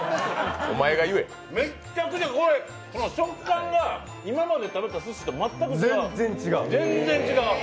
めっちゃくちゃこれ、食感が今まで食べた寿司と全然違う。